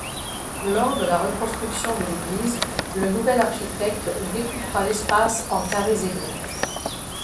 Lors de la reconstruction de l'église le nouvel architecte découpera l'espace en carrés égaux.